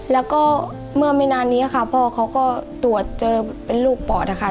แล้วก็เมื่อไม่นานนี้ค่ะพ่อเขาก็ตรวจเจอเป็นลูกปอดนะคะ